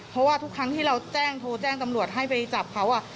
เพราะว่าทุกครั้งที่เราแจ้งโทรแจ้งตำรวจให้ไปจับเขา